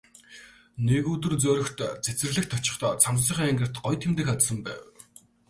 Нэг өдөр Зориг цэцэрлэгт очихдоо цамцныхаа энгэрт гоё тэмдэг хадсан байв.